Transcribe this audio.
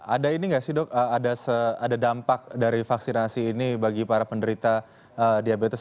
ada ini nggak sih dok ada dampak dari vaksinasi ini bagi para penderita diabetes